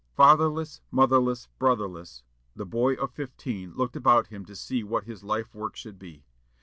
Fatherless, motherless, brotherless, the boy of fifteen looked about him to see what his life work should be.